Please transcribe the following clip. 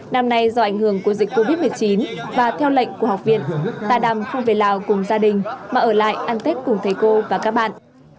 năm nay do ảnh hưởng của dịch covid một mươi chín và theo lệnh của học viện ta đàm không về lào cùng gia đình mà ở lại ăn tết cùng thầy cô và các bạn